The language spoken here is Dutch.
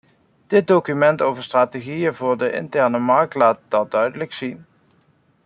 Dit document over de strategie voor de interne markt laat dat duidelijk zien.